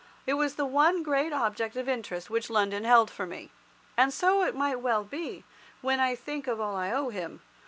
It was the one great object of interest which London held for me. And so it might well be, when I think of all I owe him.